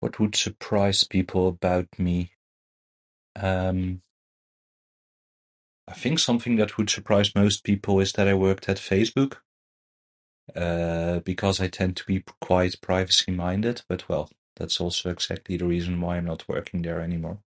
What would surprise people about me? Um, I think something that would surprise most people is that I worked at Facebook. Uh, because I tend to be quite privacy minded. But, well, that's also exactly the reason why I'm not working there anymore.